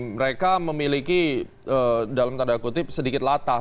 mereka memiliki dalam tanda kutip sedikit latah